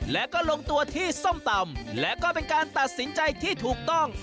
และก็ลงตัวที่ส้มตำและก็เป็นการตัดสินใจที่ถูกต้อง